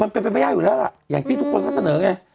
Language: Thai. เป็นประยะอยู่แล้วล่ะอย่างที่ทุกคนเขาเสนอไง